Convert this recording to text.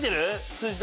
数字。